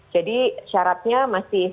jadi syaratnya masih sama seperti sekarang